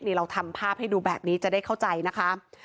เราทำภาพให้ดูแบบนี้จะได้เข้าใจนะคะ